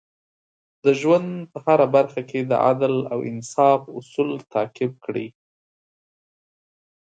د ژوند په هره برخه کې د عدل او انصاف اصول تعقیب کړئ.